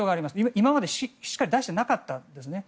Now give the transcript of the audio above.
今までしっかり出していなかったんですね。